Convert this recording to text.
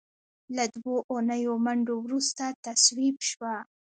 له دوو اونیو منډو وروسته تصویب شوه.